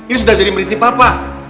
ini sudah jadi prinsip papa